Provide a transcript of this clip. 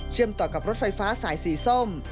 ต่อกับรถไฟฟ้าสายสีส้ม